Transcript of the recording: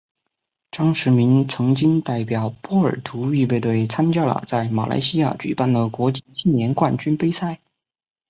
张池明曾经代表波尔图预备队参加了在马来西亚举办的国际青年冠军杯赛。